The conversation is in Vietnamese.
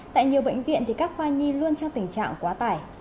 tại nhiều bệnh viện các khoa nhi luôn trong tình trạng quá tải